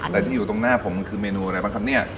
แต่ที่อยู่ตรงหน้าผมคือเมนูอะไรบ้างครับเนี่ย